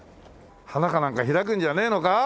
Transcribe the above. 花かなんか開くんじゃねえのか？